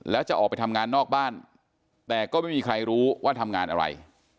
แล้วจะออกไปทำงานนอกบ้านแต่ก็ไม่มีใครรู้ว่าทำงานอะไร